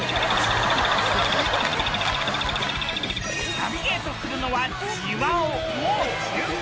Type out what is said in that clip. ナビゲートするのは。